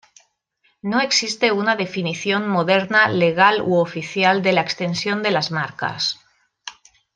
No existe una definición moderna legal u oficial de la extensión de las Marcas.